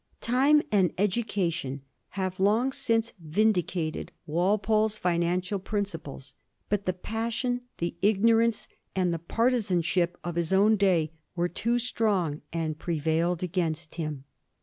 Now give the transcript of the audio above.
Time and education have long since vindicated Walpole's financial principles ; but the passion, the ignorance, and the partisanship of his own day were too strong, and prevailed against him.